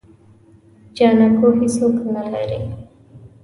جانکو هيڅوک نه لري.